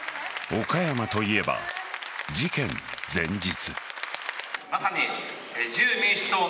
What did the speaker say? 岡山といえば、事件前日。